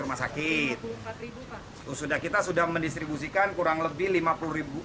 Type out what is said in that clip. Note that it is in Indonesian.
rumah sakit sudah kita sudah mendistribusikan kurang lebih